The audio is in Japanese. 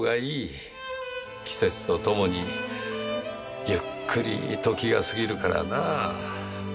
季節とともにゆっくり時が過ぎるからなあ。